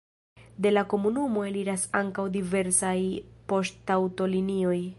De la komunumo eliras ankaŭ diversaj poŝtaŭtolinioj.